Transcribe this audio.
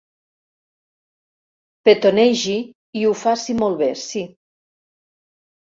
Petonegi, i ho faci molt bé, sí.